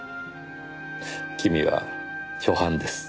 君は初犯です。